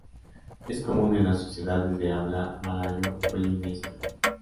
Es común en las sociedades de habla malayo-polinesia.